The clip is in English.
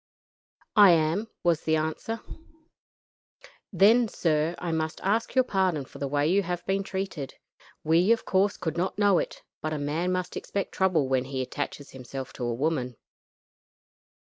"I am," was the answer. "Then, sir, I must ask your pardon for the way you have been treated. We, of course, could not know it, but a man must expect trouble when he attaches himself to a woman."